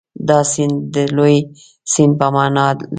دا سیند د لوی سیند په معنا لري.